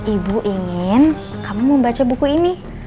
ibu ingin kamu membaca buku ini